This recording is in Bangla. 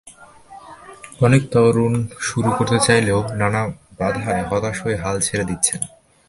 অনেক তরুণ শুরু করতে চাইলেও নানা বাধায় হতাশ হয়ে হাল ছেড়ে দিচ্ছেন।